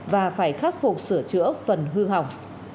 và phải khắc phục sửa chữa phần hư hỏng